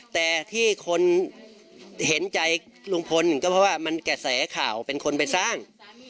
แต่ที่คนเห็นใจลุงพลก็เพราะว่ามันกระแสข่าวเป็นคนไปสร้าง